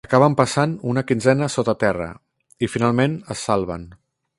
Acaben passant una quinzena sota terra - i finalment es salven.